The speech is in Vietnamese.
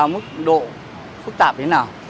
mức độ phức tạp thế nào